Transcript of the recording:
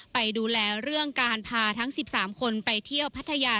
ไปดูแลเรื่องการพาทั้ง๑๓คนไปเที่ยวพัทยา